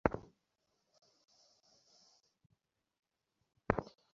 রঘুপতি কহিলেন, আমার আর দুঃখ নাই–আমি শান্তি পাইয়াছি।